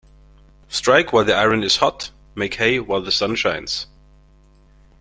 Strike while the iron is hot Make hay while the sun shines.